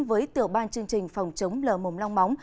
với tiểu ban chương trình phòng chống lờ mồm long móng